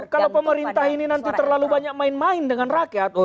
kalau pemerintah ini nanti terlalu banyak main main dengan rakyat